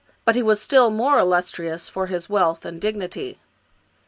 But he was still more illustrious for his wealth and dignity.